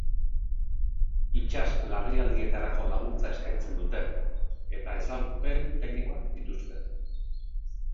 Itsas larrialdietarako laguntza eskaintzen dute, eta ezagupen teknikoak dituzte.